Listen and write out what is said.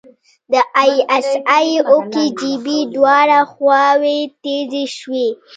د ای اس ای او کي جی بي دواړه خواوې تیزې شوې.